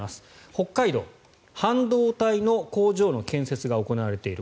北海道、半導体の工場の建設が行われている。